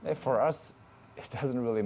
tapi untuk kita itu tidak penting